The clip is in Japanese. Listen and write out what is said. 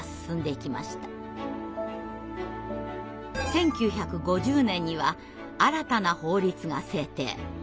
１９５０年には新たな法律が制定。